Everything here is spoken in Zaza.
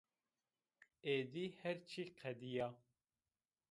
Êdî her çî qedîya